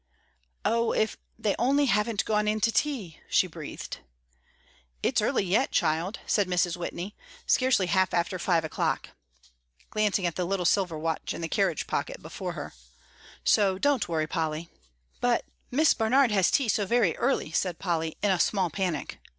"Oh, if they only haven't gone in to tea," she breathed. "It's early yet, child," said Mrs. Whitney, reassuringly, "scarcely half after five o'clock," glancing at the little silver watch in the carriage pocket before her; "so don't worry, Polly." "But Miss Barnard has tea so very early," said Polly, in a small panic.